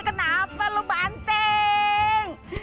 kenapa lu banting